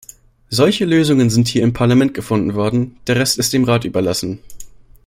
Solche Lösungen sind hier im Parlament gefunden worden, der Rest ist dem Rat überlassen.